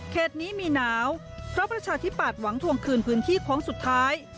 นี้มีหนาวเพราะประชาธิปัตย์หวังทวงคืนพื้นที่โค้งสุดท้าย